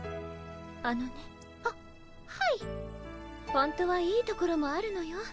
本当はいいところもあるのよ